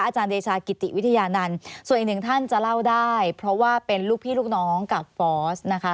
อาจารย์เดชากิติวิทยานันต์ส่วนอีกหนึ่งท่านจะเล่าได้เพราะว่าเป็นลูกพี่ลูกน้องกับฟอสนะคะ